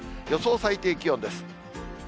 予想最低気温です。